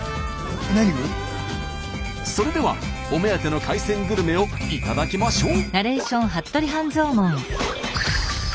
それではお目当ての海鮮グルメを頂きましょう。